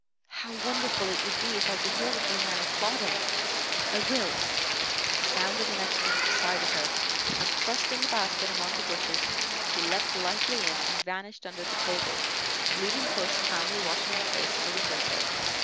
How wonderful it would be if I could hear what these men are plotting. I will!" A sound in the next room decided her; and, thrusting the basket among the bushes, she leaped lightly in and vanished under the table, leaving puss calmly washing her face on the window sill.